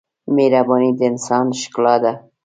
مهرباني د انسان ښکلا ده.